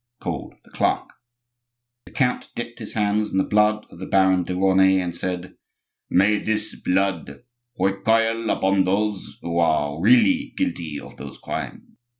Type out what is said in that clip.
called the clerk. The count dipped his hands in the blood of the Baron de Raunay, and said:— "May this blood recoil upon those who are really guilty of those crimes."